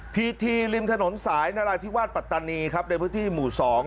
พีทีริมถนนสายนราธิวาสปัตตานีครับในพื้นที่หมู่๒